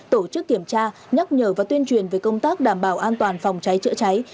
tổ chức kiểm tra nhắc nhở và tuyên truyền về công tác đảm bảo an toàn phòng cháy chữa cháy